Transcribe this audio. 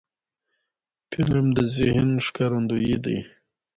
فلم د ذهن ښکارندوی دی